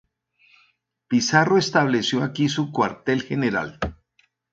Pizarro estableció aquí su Cuartel General.